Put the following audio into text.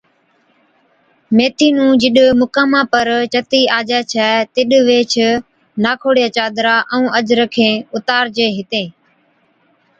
ميٿِي نُون جِڏ مُقاما پر چتِي آجَي ڇَي تِڏ ويھِچ ناکوڙِيا چادرا ائُون اجرکين اُتارجي ھِتِين